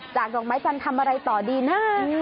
ดอกไม้จันทร์ทำอะไรต่อดีนะ